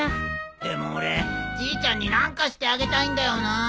でも俺じいちゃんに何かしてあげたいんだよな。